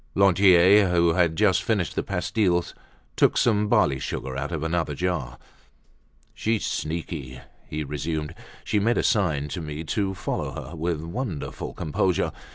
Lantier, who had finished the pastilles, took some barley sugar out of another jar. "She's sneaky," he resumed. "She made a sign to me to follow her, with wonderful composure.